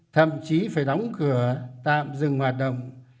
thậm chí phải đóng cửa tạm dừng hoạt động